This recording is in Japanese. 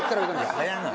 早ない？